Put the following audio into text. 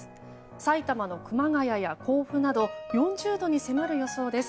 埼玉の熊谷や甲府など４０度に迫る予想です。